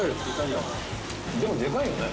でもでかいよね。